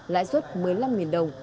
lãi suất một mươi năm đồng